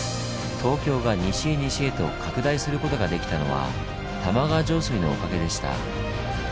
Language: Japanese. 東京が西へ西へと拡大することができたのは玉川上水のおかげでした。